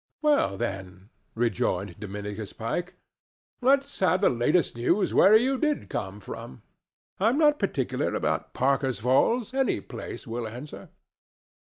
"Well, then," rejoined Dominicus Pike, "let's have the latest news where you did come from. I'm not particular about Parker's Falls. Any place will answer."